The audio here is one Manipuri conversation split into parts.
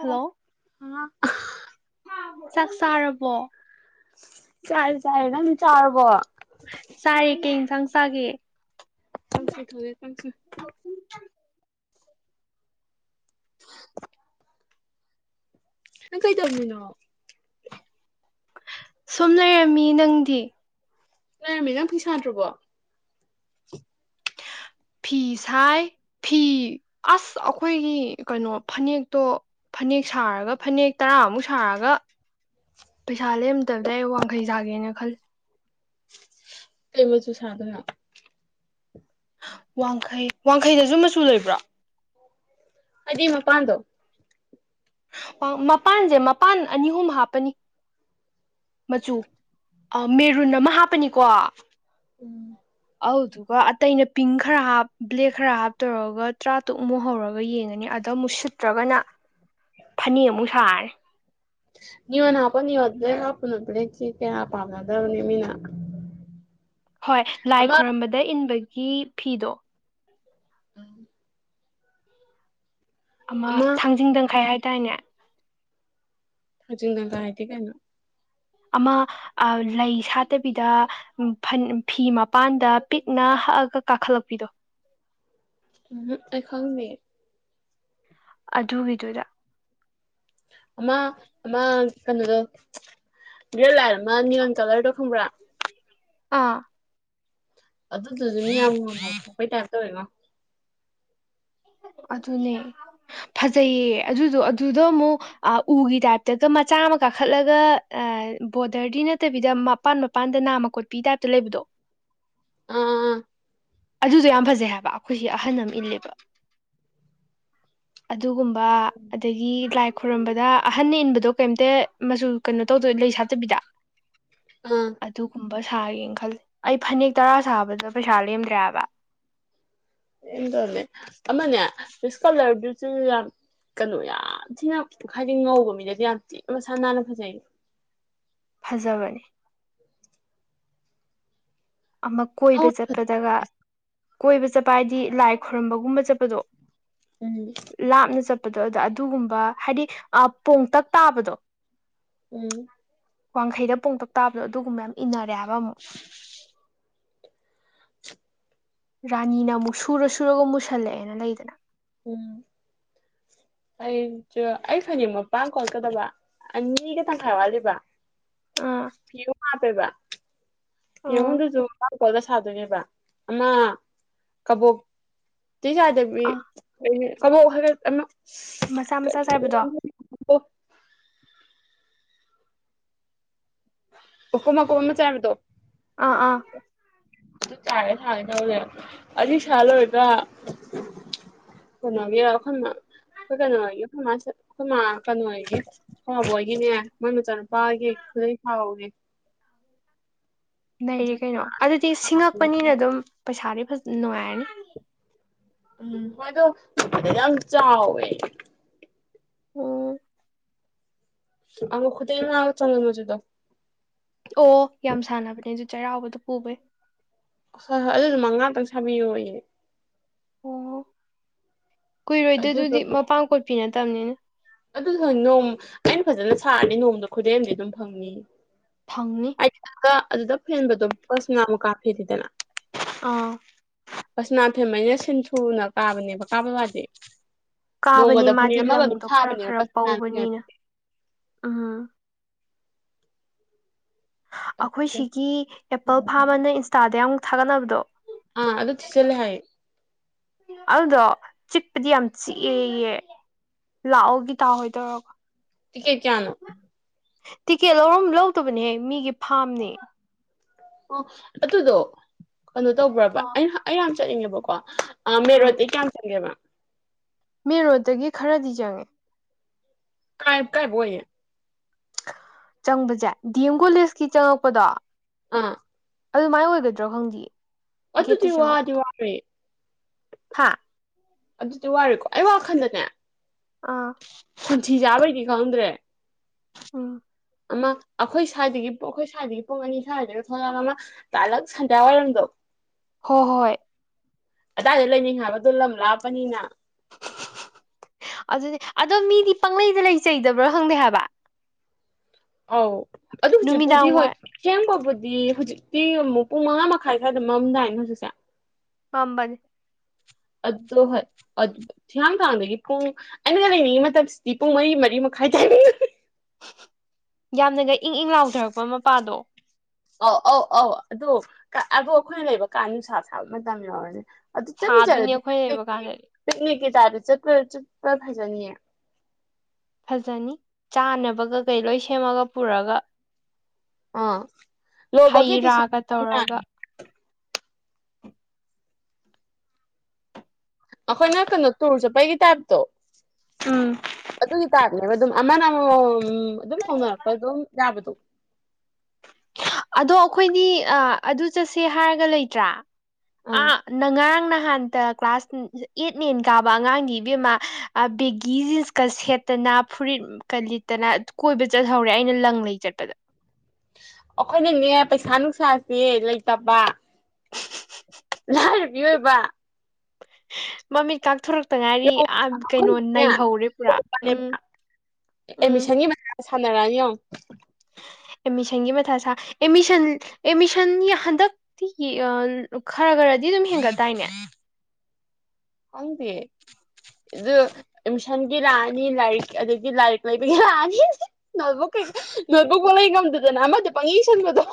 ꯍꯜꯂꯣ ꯑ ꯆꯥꯛ ꯆꯥꯔꯕꯣ ꯆꯔꯦ ꯆꯔꯦ ꯅꯪꯗꯤ ꯆꯥꯔꯕꯣ ꯆꯥꯔꯦ ꯀꯩ ꯌꯦꯟꯁꯥꯡ ꯆꯥꯒꯦ ꯀꯥꯡꯁꯣꯏ ꯊꯣꯡꯉꯦ ꯀꯥꯡꯁꯣꯏ ꯅꯪ ꯀꯩ ꯇꯝꯃꯤꯅꯣ ꯁꯨꯝ ꯂꯩꯔꯝꯃꯤ ꯅꯪꯗꯤ ꯂꯩꯔꯝꯃꯤ ꯅꯪ ꯐꯤ ꯁꯥꯥꯗ꯭ꯔꯕꯣ ꯐꯤ ꯁꯥꯏ ꯐꯤ ꯑꯁ ꯑꯩꯈꯣꯏꯒꯤ ꯀꯩꯅꯣ ꯐꯅꯦꯛꯇꯣ ꯐꯅꯦꯛ ꯁꯥꯔꯒ ꯐꯅꯦꯛ ꯇꯔꯥꯃꯨꯛ ꯁꯥꯔꯒ ꯄꯩꯁꯥ ꯂꯦꯝꯗꯕꯗꯩ ꯋꯥꯡꯈꯩ ꯁꯥꯒꯦꯅ ꯈꯜꯂꯤ ꯀꯩ ꯃꯆꯨ ꯁꯥꯗꯩꯕ ꯋꯥꯡꯈꯩ ꯋꯥꯡꯈꯩꯗꯁꯨ ꯃꯆꯨ ꯂꯩꯕ꯭ꯔꯣ ꯑꯗꯨ ꯃꯄꯥꯟꯗꯣ ꯃꯄꯥꯟꯁꯦ ꯃꯄꯥꯟ ꯑꯅꯤ ꯑꯍꯨꯝ ꯍꯥꯞꯄꯅꯤ ꯃꯆꯨ ꯃꯦꯔꯨꯟ ꯑꯃ ꯍꯥꯞꯄꯅꯤꯀꯣ ꯎꯝ ꯑꯗꯨꯗꯨꯒ ꯑꯇꯩꯅ ꯄꯤꯡ ꯈꯔ ꯍꯥꯞ ꯕ꯭ꯂꯦꯛ ꯈꯔ ꯍꯥꯞꯇꯧꯔꯒ ꯇꯔꯥꯇꯨꯛꯃꯨꯛ ꯍꯧꯔꯒ ꯌꯦꯡꯉꯅꯤ ꯑꯗ ꯑꯃꯨꯛ ꯁꯤꯠꯇ꯭ꯔꯒꯅ ꯐꯅꯦꯛ ꯑꯃꯨꯛ ꯁꯥꯔꯅꯤ ꯅꯤꯌꯣꯟ ꯍꯥꯞꯄꯣ ꯅꯤꯌꯣꯟ ꯂꯣꯏ ꯍꯥꯞꯄꯨꯅꯣ ꯕ꯭ꯂꯦꯛꯁꯤ ꯀꯌꯥ ꯄꯥꯝꯅꯗ꯭ꯔꯕꯅꯤ ꯃꯤꯅ ꯍꯣꯏ ꯂꯥꯏ ꯑꯃ ꯈꯣꯏꯔꯝꯕꯗ ꯏꯟꯕ ꯍꯤ ꯐꯤꯗꯣ ꯎꯝ ꯑꯃ ꯊꯥꯡꯖꯤꯡꯇꯪꯈꯥꯏ ꯍꯥꯏꯗꯥꯏꯅꯦ ꯊꯖꯤꯡ ꯇꯪꯈꯥꯏ ꯍꯥꯏꯗꯤ ꯀꯩꯅꯣ ꯑꯃ ꯂꯩ ꯁꯥꯠꯇꯕꯤꯗ ꯐ ꯐꯤ ꯃꯄꯥꯟꯗ ꯄꯤꯛꯅ ꯍꯛꯑꯒ ꯀꯥꯈꯠꯂꯛꯄꯤꯗꯣ ꯎ ꯑꯩ ꯈꯪꯗꯤꯌꯦ ꯑꯗꯨꯒꯤꯗꯨꯗ ꯑꯃ ꯑꯃ ꯀꯩꯅꯣꯗꯣ ꯒ꯭ꯔꯦ ꯂꯥꯏꯠ ꯑꯃ ꯅꯤꯌꯣꯟ ꯀꯂꯔꯗꯣ ꯈꯪꯕ꯭ꯔꯥ ꯑꯥ ꯑꯗꯨꯗꯨꯁꯨ ꯃꯤ ꯌꯥꯝꯌꯥꯝ ꯉꯧꯊꯣꯛꯄꯩ ꯇꯥꯏꯞ ꯇꯧꯋꯦꯉꯣ ꯑꯗꯨꯅꯦ ꯐꯖꯩꯌꯦ ꯑꯗꯨꯗꯣ ꯑꯗꯨꯗ ꯑꯃꯨꯛ ꯎꯒꯤ ꯇꯥꯏꯞꯇꯒ ꯃꯆꯥ ꯑꯃ ꯀꯥꯈꯠꯂꯒ ꯕꯣꯔꯗꯔꯗꯤ ꯅꯠꯇꯕꯤꯗ ꯃꯄꯥꯟ ꯃꯄꯥꯟꯗ ꯅꯥꯝꯃꯀꯣꯠꯄꯤ ꯇꯥꯏꯞꯇ ꯂꯩꯕꯗꯣ ꯑꯥ ꯑꯥ ꯑꯥ ꯑꯗꯨꯗꯣ ꯌꯥꯝ ꯐꯖꯩ ꯍꯥꯏꯕ ꯑꯩꯈꯣꯏꯁꯤ ꯑꯍꯟ ꯑꯃ ꯏꯜꯂꯦꯕ ꯑꯗꯨꯒꯨꯝꯕ ꯑꯗꯒꯤ ꯂꯥꯏ ꯈꯣꯏꯔꯝꯕꯗ ꯑꯍꯟꯅ ꯏꯟꯕꯗꯣ ꯀꯩꯝꯇ ꯃꯆꯨ ꯀꯩꯅꯣ ꯇꯧꯗꯣ ꯂꯩ ꯁꯥꯠꯇꯕꯤꯗ ꯑꯥ ꯑꯗꯨꯨꯒꯨꯝ ꯁꯥꯒꯦꯅ ꯈꯜꯂꯦ ꯑꯩ ꯐꯅꯦꯛ ꯇꯔꯥ ꯁꯥꯕꯗ ꯄꯩꯁꯥ ꯂꯦꯝꯗ꯭ꯔꯦꯕ [unintelligible] ꯑꯃꯅꯦ [unintelligible] ꯀꯂꯔ ꯌꯥꯝ ꯀꯩꯅꯣ ꯌꯥꯝ ꯊꯤꯅ ꯍꯥꯏꯗꯤ ꯉꯧꯕ ꯃꯤꯅꯗꯤ ꯌꯥꯝ ꯊꯤꯅ ꯃꯁꯥ ꯅꯥꯟꯅ ꯐꯖꯩ ꯐꯖꯕꯅꯤ ꯑꯃ ꯀꯣꯏꯕ ꯎꯝ ꯆꯠꯄꯗꯒ ꯀꯣꯏꯕ ꯆꯠꯄ ꯍꯥꯏꯗꯤ ꯂꯥꯏ ꯈꯣꯏꯔꯝꯕꯒꯨꯝꯕ ꯆꯠꯄꯗꯣ ꯎꯝ [unintelligible] ꯑꯗꯨꯒꯨꯝꯕ ꯍꯥꯏꯗꯤ ꯄꯣꯡꯇꯛ ꯇꯥꯕꯗꯣ ꯎꯝ ꯋꯥꯡꯈꯩꯗ ꯄꯣꯡꯇꯛ ꯇꯥꯕꯗꯣ ꯑꯗꯨꯒꯨꯝꯕ ꯌꯥꯝ ꯏꯟꯅꯔꯦ ꯍꯥꯏꯕ ꯑꯃꯨꯛ ꯔꯥꯅꯤꯅ ꯑꯃꯨꯛ ꯁꯨꯔ ꯁꯨꯔꯒ ꯃꯨꯁꯜꯂꯛꯑꯦꯅ ꯂꯩꯗꯅ ꯎꯝ ꯑꯩꯁꯨ ꯑꯩ ꯐꯅꯦꯛ ꯃꯄ ꯀꯣꯜꯀꯗꯕ ꯑꯅꯤꯒ ꯇꯪꯈꯥꯏ ꯋꯥꯠꯂꯤꯕ ꯑꯥ [unintelligible] ꯍꯥꯄꯦꯕ ꯐꯤ ꯑꯥ ꯑꯍꯨꯝꯗꯨꯁꯨ ꯀꯥꯎꯗ ꯁꯥꯗꯣꯏꯅꯦꯕ ꯑꯃ ꯀꯕꯣꯛ [unintelligible] ꯑꯥ ꯑꯃꯃ ꯋꯥꯒ ꯌꯥꯝ [unintelligible] ꯃꯆꯥ ꯃꯆꯥ ꯆꯥꯏꯕꯗꯣ ꯃꯀꯨꯞ ꯃꯀꯨꯞ ꯃꯥꯀꯨꯞ ꯑꯃꯥ ꯆꯥꯏꯕꯗꯣ ꯑꯥ ꯑꯥ ꯇꯥꯒꯦ ꯊꯥꯒꯦ [unintelligible] ꯇꯧꯅꯦꯦ ꯑꯗꯨ ꯁꯥ ꯂꯣꯏꯕ꯭ꯔꯥ ꯀꯩꯅꯣꯒꯤ ꯑꯩꯈꯣꯏ ꯑꯩꯈꯣꯏ ꯀꯩꯅꯣꯒꯤ ꯑꯩꯈꯣꯏ ꯑꯩꯈꯣꯏ ꯀꯩꯅꯣ ꯑꯣꯏꯒꯤ ꯃꯕꯣꯛ ꯍꯣꯏꯒꯤꯅꯦ ꯃꯣꯏ ꯃꯆꯥꯅꯨꯄꯥꯒꯤ ꯈꯨꯗꯩ ꯁꯥꯍꯧꯅꯦ ꯅꯩꯔꯦ ꯀꯩꯅꯣ ꯑꯗꯨꯗꯤ ꯁꯤꯡꯉꯛꯄꯅꯤꯅ ꯑꯗꯨꯝ ꯄꯩꯁꯥꯗꯤ ꯐꯖꯅ ꯅꯨꯡꯉꯥꯏꯔꯅꯤ ꯎꯝ ꯍꯣꯏꯗꯣꯗ ꯌꯥꯝ ꯆꯥꯎꯋꯦ ꯑꯣ ꯑꯃ ꯈꯨꯗꯩꯩ ꯑꯃꯥ ꯆꯟꯗꯣꯜ ꯃꯆꯨꯗꯣ ꯑꯣ ꯌꯥꯝ ꯁꯥꯟꯅꯕꯅꯦ ꯑꯗꯨ ꯆꯩꯔꯥꯎꯕꯗ ꯄꯨꯕꯩ ꯍꯣꯏ ꯍꯣꯏ ꯑꯗꯨꯗꯨ ꯃ ꯉꯥꯛꯇꯪ ꯁꯥꯕꯤꯌꯣ ꯑꯩꯅꯦ ꯀꯨꯏꯔꯣꯏꯗꯣꯏ ꯑꯗꯨꯗꯤ ꯃꯄꯥꯟ ꯀꯣꯠꯄꯤꯅꯠꯇꯦ ꯇꯅꯤꯅ ꯑꯗꯨꯁꯨ ꯍ ꯅꯣꯡ ꯑꯩꯅ ꯐꯖꯅ ꯁꯥꯔꯅꯤ ꯅꯣꯡꯃꯗ ꯈꯨꯗꯦꯝꯗꯤ ꯑꯗꯨꯝ ꯐꯪꯅꯤ ꯐꯪꯅꯤ ꯑꯩ ꯑꯗꯨꯗ ꯐꯦꯟꯕꯗꯣ ꯄꯁ ꯉꯥꯃꯨꯛ ꯀꯥꯞꯐꯦꯦꯗꯅ ꯑ ꯑꯁꯅꯥ ꯐꯦꯝꯃꯩꯅ ꯁꯤꯟ ꯁꯨꯅ ꯀꯥꯕꯅꯦꯕ ꯀꯥꯕ ꯋꯥꯗꯤ ꯀꯥꯕꯅꯤ ꯅꯣꯡꯃꯗ ꯐꯅꯦꯛ ꯃꯥꯗꯤ ꯑꯃꯒ ꯑꯗꯨꯝ ꯂꯪꯗꯣ ꯈꯔ ꯁꯥꯕꯅꯦꯕ ꯈꯔ ꯄꯁꯅꯥꯅ ꯐꯦꯟ ꯄꯧꯕꯅꯤꯅ ꯎꯝ ꯑꯩꯈꯣꯏ ꯁꯤꯒꯤ ꯑꯦꯄꯜ ꯐꯥꯝꯃꯅ ꯏꯟꯁꯇꯥꯗꯝ ꯊꯒꯕꯗꯣ ꯑ ꯑꯗꯨ ꯊꯤꯠꯆꯟꯂꯦ ꯍꯥꯏꯌꯦ ꯑꯗꯨꯗꯣ ꯆꯤꯛꯄꯗꯤ ꯌꯥꯝ ꯆꯤꯛꯑꯦꯌꯦ ꯂꯥꯛꯑꯣꯒꯤ ꯇꯥꯍꯣꯏ ꯇꯧꯔꯒꯣ ꯇꯤꯀꯦꯠ ꯀꯌꯥꯅꯣ ꯇꯤꯀꯦꯠ ꯂꯧꯔꯝ ꯂꯧꯗꯕꯅꯦꯍꯦ ꯃꯤꯒꯤ ꯐꯥꯝꯅꯤ ꯑꯣ ꯑꯗꯨꯗꯣ ꯀꯩꯅꯣ ꯇꯧꯕ꯭ꯔꯕ ꯑꯥ ꯑꯩꯅ ꯑꯩꯌꯥꯝ ꯆꯠꯅꯤꯡꯉꯦꯕꯀꯣ ꯑ ꯃꯦ ꯔꯣꯗꯤ ꯀꯌꯥꯌꯥꯝ ꯆꯪꯒꯦ ꯃꯥ ꯃꯦ ꯔꯣꯒꯤ ꯈꯔꯗꯤ ꯆꯪꯉꯦ ꯀꯥꯏ ꯀꯥꯏꯕꯣꯏ ꯆꯪꯕꯁꯦ ꯗꯤ ꯑꯦꯝ ꯀꯣꯂꯦꯖꯀꯤ ꯆꯪꯉꯛꯄꯗꯣ ꯑꯥ ꯑꯗꯨꯃꯥꯏꯅ ꯑꯣꯏꯒꯗ꯭ꯔꯣ ꯈꯪꯗꯌꯦ ꯑꯗꯨ ꯗꯤ ꯋꯥꯗꯤ ꯋꯥꯔꯦ ꯍꯥꯥ ꯑꯗꯨꯗꯤ ꯋꯥꯔꯦꯀꯣ ꯑꯩ ꯋꯥꯈꯜꯗꯅꯦ ꯑꯥ [unintelligible] ꯑ ꯑꯃ ꯑꯩꯈꯣꯏ ꯁ꯭ꯋꯥꯏꯗꯒꯤꯨꯡ ꯑꯩꯈꯣꯏ ꯁ꯭ꯋꯥꯏꯗꯒꯤ ꯄꯨꯡ ꯑꯅꯤ ꯁ꯭ꯋꯥꯏꯗꯒꯤ ꯊꯣꯛꯂꯛꯑꯒ ꯑꯃ ꯇꯥꯂꯛ ꯁꯟꯗ꯭ ꯋꯥꯏꯔꯝꯗꯣ ꯍꯣꯏ ꯍꯣꯏ ꯑꯗꯥꯏꯗ ꯂꯩꯅꯤꯡ ꯍꯥꯏꯕꯗꯣ ꯂꯝ ꯂꯥꯞꯄꯅꯤꯅ ꯑꯗꯨꯗꯤ ꯑꯗꯣ ꯃꯤꯗꯤ ꯄꯪꯂꯩꯗ ꯂꯩꯆꯩꯗꯕ꯭ꯔꯣ ꯈꯪꯗꯦ ꯍꯥꯏꯕ ꯑꯥꯎ ꯑꯗꯨꯖꯤꯄꯗꯤ ꯅꯨꯃꯤꯗꯥꯡ ꯍꯣꯏ ꯋꯥꯏ ꯀꯦꯝ ꯄꯕꯨ ꯗꯤ ꯍꯧꯖꯤꯛꯇꯤ ꯑꯃꯨꯛ ꯄꯨꯡ ꯃꯉꯥ ꯃꯈꯥꯏ ꯁ꯭ꯋꯥꯏꯗ ꯃꯃꯝꯗꯥꯏꯅꯦ ꯍꯧꯖꯤꯛꯁꯦ ꯄꯥꯡꯝꯕꯟ ꯑꯣ ꯍꯣꯏ ꯊꯤꯌꯥꯝꯡꯊꯥꯡꯗꯒꯤ ꯄꯨꯡ ꯑꯉꯣꯟꯩꯅ ꯂꯩꯅꯤꯡꯉꯤ ꯃꯇꯝꯁꯤꯗꯤ ꯄꯨꯡ ꯃꯔꯤ ꯃꯔꯤ ꯃꯈꯥꯏ ꯇꯥꯏ ꯌꯥꯝꯅꯒ ꯏꯪ ꯏꯪ ꯂꯥꯎꯊꯔꯛꯄ ꯃꯄꯥꯗꯣ ꯑ ꯑꯧ ꯑꯧ ꯑꯗꯨꯗ ꯑꯗꯣ ꯑꯩꯈꯣꯏꯅ ꯂꯩꯕ ꯀꯥ ꯅꯨꯡꯁꯥ ꯁꯥꯕ ꯃꯇꯝ ꯌꯥꯎꯔꯅꯤ ꯁꯥꯗꯣꯏꯅꯦ ꯑꯩꯈꯣꯏ ꯂꯩꯕ ꯀꯥꯟꯗꯗꯤ [inaudible] ꯇꯥꯗ ꯆꯠꯄ ꯆꯠꯄ ꯐꯖꯅꯤꯌꯦ ꯐꯖꯅꯤ ꯆꯥꯅꯕꯒ ꯀꯩ ꯂꯣꯏ ꯁꯦꯝꯃꯒ ꯄꯨꯔꯒ- ꯑꯥ ꯂꯣ ꯍꯩ ꯕꯖꯦꯠꯇ ꯁꯤꯟꯕ ꯔꯥꯒ ꯇꯧꯔꯒ ꯑꯩꯈꯣꯏꯅ ꯀꯩꯅꯣ ꯇꯨꯔ ꯆꯠꯄꯒꯤ ꯇꯥꯏꯄꯇꯣ ꯎꯝ ꯑꯗꯨꯒꯤ ꯇꯥꯏꯄꯅꯦ ꯑꯝꯅ ꯑꯃꯃꯝ ꯑꯃꯃꯝ ꯑꯗꯨꯝ ꯍꯧꯅꯔꯛꯄ ꯑꯗꯨꯝ ꯌꯥꯕꯗꯨ ꯑꯗꯣ ꯑꯩꯈꯣꯏꯅꯤ ꯑꯗꯨ ꯆꯠꯁꯦ ꯍꯥꯏꯔꯒ ꯂꯩꯇ꯭ꯔꯥ ꯑꯥ ꯅꯉꯔꯥꯡ ꯅꯍꯥꯟ ꯉꯔꯥꯡ ꯅꯍꯥꯟꯇ ꯀ꯭ꯂꯥꯁ ꯑꯦꯠ ꯅꯥꯢꯟ ꯀꯥꯕ ꯑꯉꯥꯡꯗꯤ ꯏꯕꯦꯝꯃ ꯑꯥ ꯕꯦꯒꯤ ꯖꯤꯟꯁꯀ ꯁꯦꯠꯇꯅ ꯐꯨꯔꯤꯠꯀ ꯂꯤꯠꯇꯅ ꯀꯣꯏꯕ ꯆꯠꯍꯧꯔꯦ ꯑꯩꯅ ꯂꯪ ꯂꯩ ꯆꯠꯄꯗ ꯑꯩꯈꯣꯏꯅꯅꯦ ꯄꯩꯁꯥ ꯅꯨꯡꯁꯥꯥꯁꯦ ꯂꯩꯇꯕ ꯑꯍꯝ ꯃꯤꯑꯣꯢꯕ ꯃꯃꯠ ꯀꯥꯥꯛꯊꯣꯔꯛ ꯇ ꯉꯥꯏꯔꯤ ꯌꯦꯡꯉꯣ ꯑ ꯀꯩꯅꯣ ꯑꯩꯈꯣꯏꯅꯅꯦ ꯅꯩꯍꯧꯔꯦ ꯄꯨꯔꯥ ꯎꯝ ꯎꯝ ꯁꯥꯟꯅꯔꯅꯤ ꯌꯦꯡꯉꯣ ꯑꯦꯗꯃꯤꯁꯟꯒꯤ ꯃꯊꯥ ꯁꯥ ꯑꯦꯗꯃꯤꯁꯟ ꯑꯦꯗꯃꯤꯁꯟ ꯍꯟꯗꯛꯇꯤ ꯈꯔ ꯈꯔꯗꯤ ꯑꯗꯨꯝ ꯍꯦꯟꯒꯠꯇꯥꯏꯅꯦ ꯈꯪꯗꯦ ꯑꯗꯨ ꯑꯦꯗꯃꯤꯁꯟꯒꯤ ꯂꯥꯛꯑꯅꯤ ꯂꯥꯏꯔꯤꯛ ꯑꯗꯒꯤ ꯂꯥꯏꯔꯤꯛ ꯂꯩꯕꯒꯤ ꯂꯥꯛꯑꯅꯤ ꯅꯣꯠꯕꯨꯛ ꯀꯩꯀꯥ ꯅꯣꯠꯕꯨꯛ ꯐꯧ ꯂꯩꯕ ꯉꯝꯗꯗꯅ ꯑꯃꯗ ꯄꯪꯏ ꯏꯁꯟꯕꯗꯣ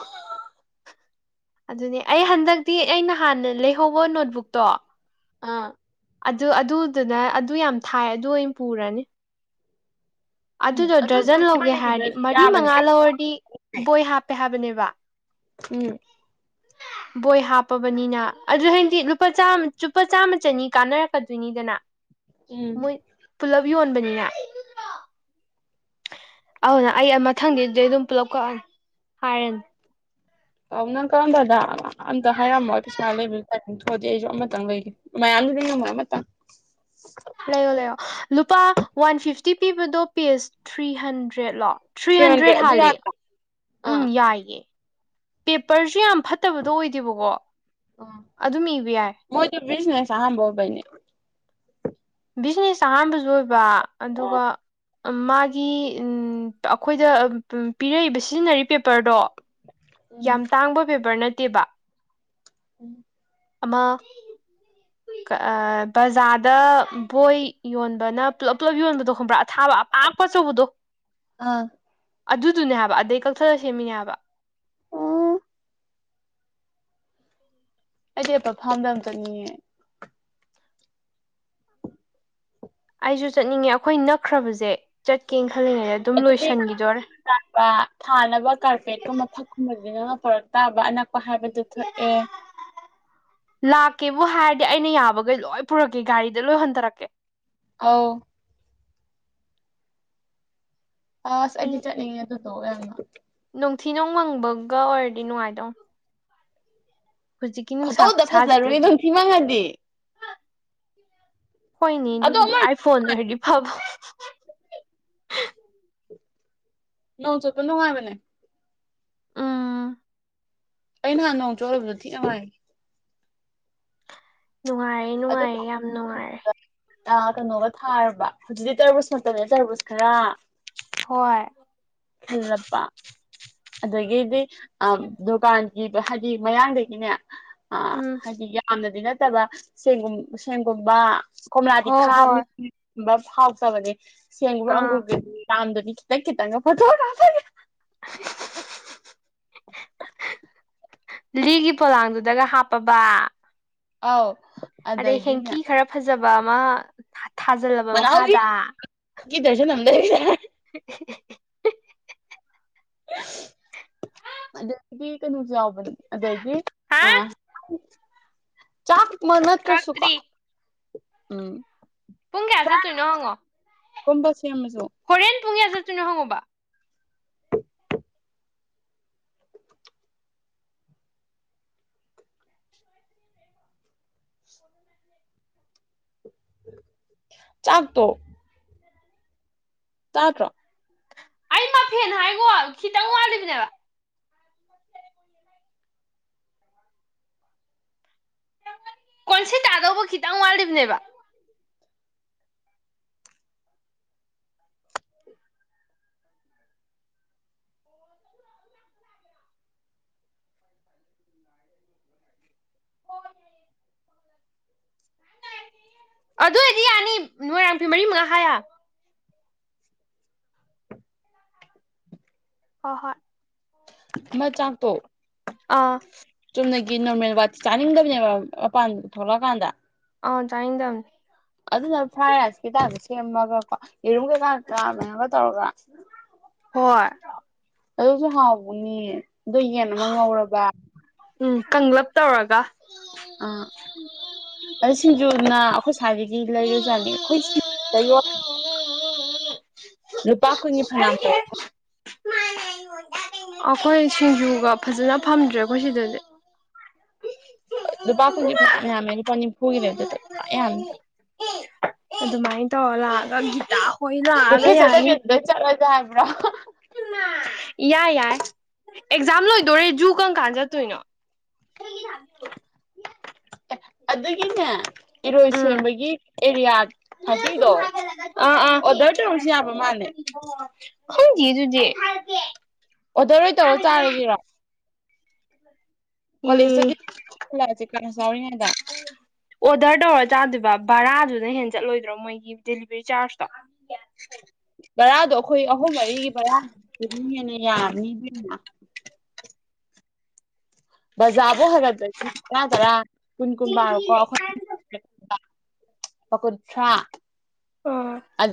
ꯑꯗꯨꯅꯦ ꯑꯩ ꯍꯟꯗꯛꯇꯤ ꯑꯩ ꯅꯍꯥꯟꯅ ꯂꯩꯍꯧꯕ ꯅꯣꯠꯕꯨꯛꯇꯣ ꯑꯥ ꯑꯗꯨ ꯑꯗꯨꯗꯨꯅ ꯑꯗꯨ ꯌꯥꯝ ꯊꯥꯏ ꯑꯗꯨ ꯑꯣꯏ ꯄꯨꯔꯅꯤ ꯎꯝ ꯑꯗꯨꯗꯣ ꯑꯗꯨ ꯗꯔꯖꯟ ꯑꯗꯨꯝ ꯑꯃ ꯂꯧꯒꯦ ꯂꯩꯕ ꯍꯥꯏꯔꯗꯤ ꯃꯔꯤ ꯌꯥꯕꯅꯦ ꯃꯉꯥ ꯂꯧꯔꯗꯤ ꯕꯣꯏ ꯍꯥꯞꯄꯦ ꯍꯥꯏꯕꯅꯦꯕ ꯎꯝ ꯕꯣꯏ ꯍꯥꯞꯄꯕꯅꯤꯅ ꯑꯗꯨ ꯍꯥꯏꯗꯤ ꯂꯨꯄꯥ ꯆꯥꯝꯃ ꯂꯨꯄꯥ ꯆꯥꯝꯃ ꯆꯅꯤ ꯀꯥꯟꯅꯔꯛꯀꯗꯣꯏꯅꯤꯗꯅ ꯎꯝ ꯃꯣꯏ ꯄꯨꯂꯞ ꯌꯣꯟꯕꯅꯤꯅ ꯑꯗꯨꯅ ꯑꯩ ꯃꯊꯪꯗꯩꯗꯤ ꯑꯗꯨꯝ ꯄꯨꯂꯞ ꯀꯛꯑꯅꯤ ꯍꯥꯏꯔꯅꯤ ꯑꯧ ꯅꯪ ꯀꯛꯑꯝꯗꯥꯢꯗ ꯑꯝꯇ ꯍꯥꯏꯔꯝꯃꯣ ꯑꯩ ꯄꯩꯁꯥ ꯂꯩꯕꯩ ꯇꯥꯏꯃꯤꯡ ꯊꯣꯛꯑꯗꯤ ꯑꯩꯁꯨ ꯑꯃꯇꯪ ꯂꯩꯒꯦ ꯃꯌꯥꯝꯗꯨꯗꯤ ꯉꯝꯃꯣꯏ ꯑꯃꯇꯪ ꯂꯩꯌꯣ ꯂꯩꯌꯣ ꯂꯨꯄꯥ ꯋꯥꯟ ꯐꯤꯐꯇꯤ ꯄꯤꯕꯗꯣ ꯄꯦꯁ ꯊ꯭ꯔꯤ ꯍꯟꯗ꯭ꯔꯦꯠꯂꯣ ꯊ꯭ꯔꯤ ꯍꯟꯗ꯭ꯔꯦꯠ ꯍꯥꯜꯂꯦ ꯎꯝ ꯑꯥ ꯌꯥꯏꯌꯦ ꯄꯦꯄꯔꯁꯨ ꯌꯥꯝ ꯐꯠꯇꯕꯗꯣ ꯑꯣꯏꯗꯦꯕꯀꯣ ꯑ ꯑꯗꯨꯝ ꯏꯕ ꯌꯥꯏ ꯃꯣꯏꯗꯨ ꯕꯤꯖꯅꯦꯁ ꯑꯍꯥꯟꯕ ꯑꯣꯏꯕꯩꯅꯦ ꯕꯤꯖꯤꯅꯦꯁ ꯑꯍꯥꯟꯕꯁꯨ ꯑꯣꯏꯕ ꯑꯗꯨꯒ ꯃꯥꯒꯤ ꯑꯩꯈꯣꯏꯗ ꯄꯤꯔꯛꯏꯕ ꯁꯤꯖꯤꯟꯅꯔꯤ ꯄꯦꯄꯔꯗꯣ ꯎꯝ ꯌꯥꯝ ꯇꯥꯡꯕ ꯄꯦꯄꯔ ꯅꯠ ꯇꯦꯕ ꯎꯝ ꯑꯃ ꯕꯖꯥꯔꯗ ꯕꯣꯏ ꯌꯣꯟꯕꯅ ꯄꯨꯂꯞ ꯄꯨꯂꯞ ꯌꯣꯟꯕꯗꯣ ꯈꯪꯕ꯭ꯔꯥ ꯊꯕ ꯄꯥꯛꯄ ꯑꯆꯧꯕꯥꯗꯣ ꯑꯥ ꯑꯗꯨꯗꯨꯅꯦ ꯍꯥꯏꯕ ꯑꯗꯩ ꯀꯛꯊꯠꯂ ꯁꯦꯝꯃꯤꯅꯦ ꯍꯥꯏꯕ ꯑꯣ ꯑꯩꯗꯤ ꯑꯄꯥ ꯐꯥꯝꯗ ꯌꯥꯝ ꯆꯪꯅꯤꯡꯉꯦ ꯑꯩꯁꯨ ꯆꯠꯅꯤꯡꯉꯦ ꯑꯩꯈꯣꯏ ꯅꯛꯈ꯭ꯔꯕꯁꯦ ꯆꯠꯀꯦ ꯈꯜꯂꯤꯉꯩꯗ ꯑꯗꯨꯝ ꯑꯗꯨꯗꯤ ꯂꯣꯏꯁꯤꯟꯈꯤꯗꯣꯔꯦ ꯄ ꯊꯥꯅꯕ ꯀꯥꯔꯄꯦꯠꯀꯨꯝꯕ ꯐꯛꯀꯨꯝꯕꯁ ꯅꯪꯅ ꯄꯨꯔꯛ ꯇꯥꯕ ꯑꯅꯛꯄ ꯍꯥꯏꯕꯗꯨ ꯊꯣꯛꯑꯦ ꯂꯥꯛꯀꯦꯕꯨ ꯍꯥꯏꯔꯗꯤ ꯑꯩꯅ ꯌꯥꯕꯈꯩ ꯂꯣꯏ ꯄꯨꯔꯛꯀꯦ ꯒꯥꯔꯤꯗ ꯂꯣꯏ ꯍꯟꯊꯔꯛꯀꯦ ꯑꯥꯎ ꯑꯁ ꯑꯩꯗꯤ ꯆꯠꯅꯤꯪꯏ ꯑꯗꯨ ꯌꯥꯝꯅ ꯅꯨꯡꯊꯤ ꯅꯨꯡꯃꯪꯕꯒ ꯑꯣꯏꯔꯗꯤ ꯅꯨꯡꯉꯥꯏꯗꯧꯅꯤ ꯐꯣꯇꯣꯗ ꯐꯖꯅꯔꯨꯏ ꯈꯨꯁꯥꯁꯤꯗꯗꯤ ꯑꯗꯨꯝ ꯊꯤꯃꯪꯉꯗꯤ ꯍꯣꯏꯅꯦ ꯑꯗꯣ ꯑꯗꯨꯕꯨꯗꯤ ꯑꯃ ꯑꯥꯏꯐꯣꯟ ꯑꯣꯏꯔꯗꯤ ꯐꯕ ꯅꯣꯡ ꯆ ꯅꯉꯥꯏ ꯃꯅꯦ ꯎꯝ ꯑꯩ ꯅꯍꯥꯟ ꯅꯣꯡ ꯆꯣꯠꯂꯨꯕꯗꯣ ꯊꯤ ꯅꯨꯪꯉꯥꯏ ꯅꯨꯡꯉꯥꯏꯔꯦ ꯅꯨꯡꯉꯥꯏꯔꯦ ꯌꯥꯝ ꯅꯨꯡꯉꯥꯏꯔꯦ ꯑ ꯀꯩꯅꯣꯒ ꯊꯥꯔꯕ ꯍꯧꯖꯤꯛꯇꯤ ꯇꯔꯕꯨꯁ ꯅꯠꯇꯗꯅꯦ ꯇꯔꯕꯨꯁ ꯈꯔ ꯍꯣꯏ ꯈꯜꯂꯄ ꯑꯗꯒꯤꯗꯤ ꯑ ꯗꯨꯀꯥꯟꯒꯤꯗꯣ ꯍꯥꯏꯗꯤ ꯃꯌꯥꯡꯗꯒꯤꯅꯦ ꯑ ꯎꯝ ꯍꯥꯏꯗꯤ ꯌꯥꯝꯅꯗꯤ ꯅ ꯀꯕ ꯁꯨꯝ ꯁꯦꯡꯒꯨꯝꯕꯥ ꯀꯣꯝꯂꯥꯗꯤ ꯍꯣꯏ ꯈꯥꯕꯅꯤ ꯍꯣꯏ ꯕ ꯍꯥꯎꯇꯥꯕꯅꯤ ꯁꯦꯡ꯭ꯔ ꯑꯥ ꯑꯪꯒꯨꯔꯒꯤ ꯇꯥꯝꯗ ꯈꯤꯇꯪꯇꯪ ꯐ ꯍ ꯐ [inaudible] ꯂꯤꯒꯤ ꯄꯣꯂꯥꯡꯗꯨꯗꯒ ꯍꯥꯞꯄꯕ ꯑꯥꯎ ꯑꯗꯩ ꯍꯦꯡꯀꯤ ꯈꯔ ꯐꯖꯕ ꯊ ꯊꯥꯖꯤꯜꯂꯕ ꯃꯈꯥꯗ ꯀꯗꯔꯁꯟ ꯅꯝꯗ [inaudible] ꯑꯗꯒꯤ ꯀꯩꯅꯣꯁꯨ ꯌꯥꯎꯕꯅꯤ ꯑꯗꯒꯤ ꯍꯥ ꯆꯥꯛ ꯃꯅꯠꯇ꯭ꯔꯁꯨꯨꯄꯥ ꯀꯛꯇ꯭ꯔꯤ ꯎꯝ ꯄꯨꯡ ꯀꯌꯥ ꯆꯠꯇꯣꯏꯅꯣ ꯍꯪꯉꯣ [unintelligible] ꯁꯦꯝ ꯑꯃꯁꯁꯨꯣ ꯄꯨꯨꯡꯉꯦꯁꯁꯨꯅ ꯍꯪꯉꯣꯕꯕꯥ ꯆꯥꯛ ꯇꯣ ꯇꯥꯇ꯭ꯔꯣ ꯑꯩ ꯃꯐꯦꯟ ꯍꯥꯏꯕꯣ ꯈꯤꯇꯪ ꯋꯥꯂꯤꯕꯅꯦꯕ ꯀꯣꯟꯁꯤ ꯇꯥꯗꯧꯕ ꯈꯤꯇꯪ ꯋꯥꯠꯂꯤꯕꯅꯦꯕ ꯑꯗꯨ ꯑꯣꯏꯗꯤ ꯌꯥꯅꯤ ꯅꯣꯏꯔꯥꯡ ꯐꯤ ꯃꯔꯤ ꯃꯉꯥ ꯍꯥꯏꯌ ꯍꯣꯏ ꯏꯃꯥ ꯆꯥꯛꯇꫭ ꯑꯥ ꯆꯨꯝꯅꯒꯤ ꯅꯣꯔꯃꯦꯜ ꯒꯥꯇꯤ ꯆꯥꯅꯤꯡꯗꯕꯅꯦꯕ ꯃꯄꯥꯟ ꯊꯣꯛꯂꯛꯑꯀꯥꯟꯗ ꯑ ꯆꯥꯏꯏꯪꯗꯝ ꯑꯗꯨꯅ ꯐꯥꯔꯠ ꯔꯥꯏꯀꯤ ꯆꯗꯔꯥꯁꯨ ꯁꯦꯝꯃꯒ ꯀꯣ ꯌꯦꯔꯨꯝ ꯀꯧ ꯀ ꯆꯥꯕꯅꯦꯕ ꯇꯧꯔꯒ ꯍꯣꯏ ꯑꯗꯨ ꯍꯧꯁꯨ ꯍꯥꯎꯕꯨꯅꯤ ꯎꯝ ꯀꯪꯂꯞ ꯇꯧꯔꯒ [unintelligible] ꯑꯥ ꯑꯗꯨ ꯁꯤꯡꯖꯨꯅ ꯑꯩꯈꯣꯏ ꯁ꯭ꯋꯥꯏꯗꯒꯤ ꯂꯩꯔꯣꯏꯖꯥꯠꯅꯤ ꯑꯩꯈꯣꯏ ꯂꯨꯄꯥ ꯀꯨꯟꯒꯤ ꯐꯅꯝ ꯇꯧꯋꯦ ꯑꯩꯈꯣꯏ ꯁꯤꯡꯖꯨꯒ ꯐꯖꯅ ꯐꯝꯗ꯭ꯔꯦ ꯑꯩꯈꯣꯏ ꯁꯤꯗꯗꯤ ꯂꯨꯄ ꯀꯨꯟ ꯐꯥꯅ ꯌꯥꯝꯃꯦ [unintelligible] [unintelligible] ꯌꯥꯝꯃꯤ ꯑꯗꯨꯃꯥꯏꯅ ꯇꯧꯔ ꯂꯥꯛꯑꯒ ꯒꯤꯇꯥ ꯍꯣꯏ ꯀꯦꯐꯦ ꯂꯥꯛꯑꯒ ꯆꯠꯇꯕꯤ ꯌꯥꯅꯤ ꯑꯗꯨꯗꯥ ꯑꫭꯏꯅ ꯆꯠꯂꯁꯤ ꯌꯥꯕꯔꯣ ꯌꯥꯏ ꯌꯥꯏ ꯑꯦꯛꯖꯥꯝ ꯂꯣꯏꯗꯣꯔꯦ ꯖꯨ ꯀꯪ ꯀꯥꯟ ꯆꯠꯇꯣꯏꯅꯣ ꯑꯗꯨꯒꯤꯅꯦ ꯏꯔꯣꯏ ꯎꯝ ꯁꯦꯝꯕꯒꯤ ꯑꯦꯔꯤꯌꯥ ꯊꯥꯔꯇꯤꯗꯣ ꯑꯥ ꯑꯥ ꯑꯣꯗꯔ ꯇꯧꯔꯁꯨ ꯌꯥꯕ ꯃꯥꯅꯦ ꯈꯪꯗꯦꯌꯦ ꯑꯗꯨꯗꯤ ꯑꯣꯗꯔ ꯑꯣꯏ ꯇꯧꯔ ꯆꯥꯔꯁꯤꯔꯣ ꯀꯣꯂꯦꯖꯇ ꯎꯝ [unintelligible] ꯕꯔꯥꯗꯨꯅ ꯍꯦꯟ ꯆꯠꯂꯣꯏꯗ꯭ꯔꯣ ꯃꯣꯏꯒꯤ ꯗꯦꯂꯤꯚꯔꯤ ꯆꯥꯔꯖꯇꯣ ꯕꯔꯥꯗꯣ ꯑꯩꯈꯣꯏ ꯑꯍꯨꯝ ꯃꯔꯤꯒꯤ ꯔꯥꯅꯤꯅ ꯌꯥꯅꯤꯅ ꯕꯖꯥꯕꯨ ꯍꯥꯏꯂꯛꯇꯥꯔꯤ ꯇꯔꯥ-ꯇꯔꯤ ꯀꯨꯟ-ꯀꯨꯟ ꯕꯥꯥꯔꯣꯀꯣ ꯑꯩꯈꯣꯏ ꯄꯥ ꯀꯨꯟꯊ꯭ꯔꯥ ꯑꯥ ꯑꯠ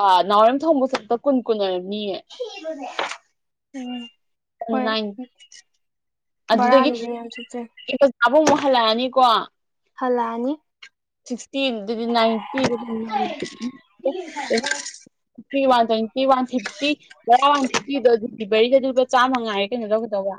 ꯑꯥ ꯅꯥꯎꯔꯦꯝꯊꯣꯛꯕꯛ ꯆꯠꯄꯗ ꯀꯨꯟ-ꯀꯨꯟ ꯑꯣꯏꯔꯝ ꯃꯤ ꯎꯝ ꯍꯣꯏ ꯅꯥꯏꯟ ꯚꯥꯔꯥꯗꯨꯗꯤ ꯌꯥꯝ ꯆꯠꯆꯦ ꯑꯕꯨꯡ ꯃꯨꯛ ꯍꯜꯂꯛꯑꯅꯤꯀꯣ ꯍꯜꯂꯥꯑꯅꯤ ꯁꯤꯇꯤꯟꯇꯤꯇ [unintelligible] ꯕꯔꯤꯗꯗꯨ ꯂꯨꯄꯥ ꯆꯥꯝꯉꯥꯏ ꯀꯩꯅꯣ ꯂꯧꯒꯗꯕ